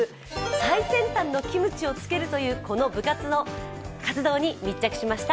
最先端のキムチを漬けるというこの部活の活動に密着しました。